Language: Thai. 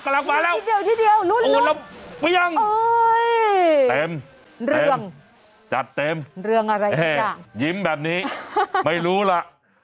กลับมาแล้วลุดลุดปุ๊ยังเต็มจัดเต็มยิ้มแบบนี้ไม่รู้ล่ะ